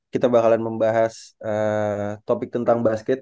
kita bakalan membahas topik tentang basket